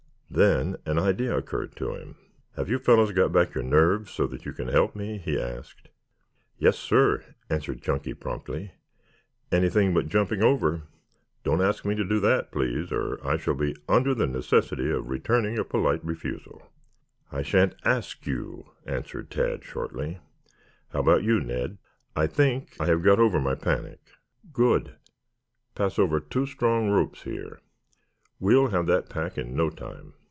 Then an idea occurred to him. "Have you fellows got back your nerve so that you can help me?" he asked. "Yes, sir," answered Chunky promptly. "Anything but jumping over. Don't ask me to do that, please, or I shall be under the necessity of returning a polite refusal." "I shan't ask you," answered Tad shortly. "How about you, Ned?" "I think I have got over my panic." "Good. Pass over two strong ropes here. We'll have that pack in no time."